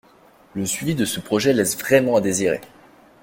Le suivi de ce projet laisse vraiment à désirer.